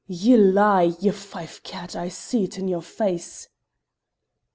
"Ye lie, ye Fife cat; I see't in your face!"